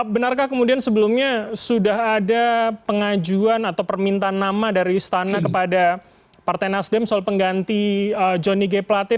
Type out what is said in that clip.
benarkah kemudian sebelumnya sudah ada pengajuan atau permintaan nama dari istana kepada partai nasdem soal pengganti johnny g plate